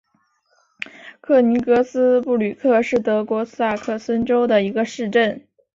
克尼格斯布吕克是德国萨克森州的一个市镇。